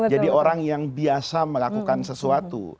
jadi orang yang biasa melakukan sesuatu